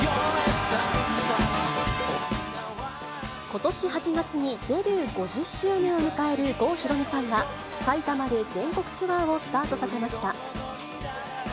ことし８月にデビュー５０周年を迎える郷ひろみさんが、埼玉で全国ツアーをスタートさせました。